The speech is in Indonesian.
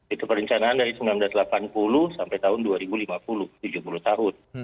itu perencanaan dari seribu sembilan ratus delapan puluh sampai tahun dua ribu lima puluh tujuh puluh tahun